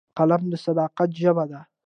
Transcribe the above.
قلم د صداقت ژبه ده